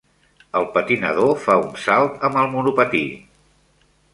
El patinador fa un salt amb el monopatí.